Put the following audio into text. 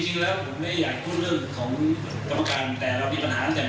จริงแล้วเนี่ยนักเตะของเราเนี่ยนะครับ